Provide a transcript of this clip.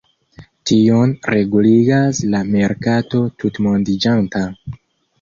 Tion reguligas la merkato tutmondiĝanta.